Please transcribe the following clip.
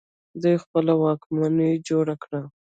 دوی خپله واکمني جوړه کړه